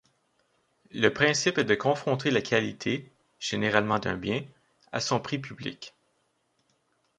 Le principe est de confronter la qualité, généralement d'un bien, à son prix public.